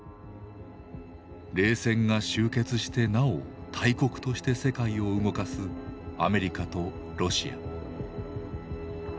冷戦が終結してなお大国として世界を動かすアメリカとロシア。